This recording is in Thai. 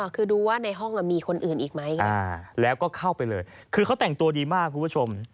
คือดูว่าในห้องมีคนอื่นอีกไหมแล้วก็เข้าไปเลยคือเขาแต่งตัวดีมากคุณผู้ชม